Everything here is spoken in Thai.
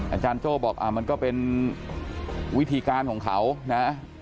อาจารย์โจ้บอกมันก็เป็นวิธีการของเขานะ